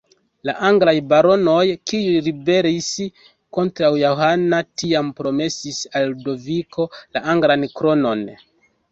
La anglaj baronoj, kiuj ribelis kontraŭ Johano, tiam promesis al Ludoviko la anglan kronon.